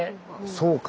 そうか！